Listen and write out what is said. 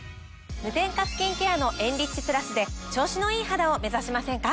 無添加スキンケアのエンリッチプラスで調子のいい肌を目指しませんか？